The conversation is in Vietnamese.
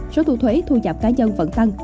số thu thuế thu nhập cá nhân vẫn tăng